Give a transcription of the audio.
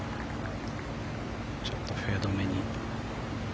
ちょっとフェードめに。